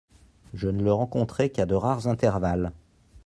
Je ne le rencontrais qu'à de rares intervalles.